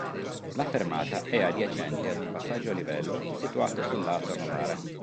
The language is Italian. La fermata è adiacente ad un passaggio a livello, situato sul lato Novara.